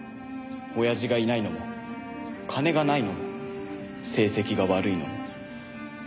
親父がいないのも金がないのも成績が悪いのも。